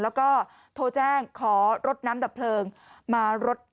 แล้วก็โทรแจ้งขอรถน้ำดับเพลิงมารถ